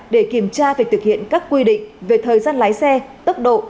để kiểm tra việc thực hiện các quy định về thời gian lái xe tốc độ